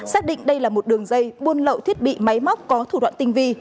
xác định đây là một đường dây buôn lậu thiết bị máy móc có thủ đoạn tinh vi